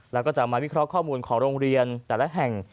แล้วก็จะมาวิเคราะห์ข้อมูลของโรงเรียนแต่ละแห่ง